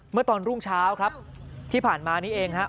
เมื่อตอนรุ่งเช้าครับที่ผ่านมานี้เองครับ